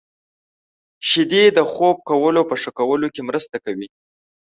• شیدې د خوب کولو په ښه کولو کې مرسته کوي.